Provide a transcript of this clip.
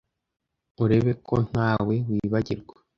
urebe ko ntawe wibagirwa